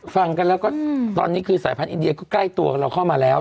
ฟังกันแล้วก็ตอนนี้คือสายพันธุอินเดียก็ใกล้ตัวกับเราเข้ามาแล้ว